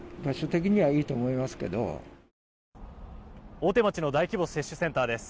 大手町の大規模接種センターです。